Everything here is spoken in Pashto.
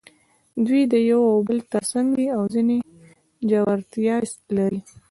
دوی د یو او بل تر څنګ دي او ځینې ژورتیاوې لري.